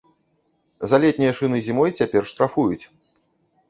За летнія шыны зімой цяпер штрафуюць.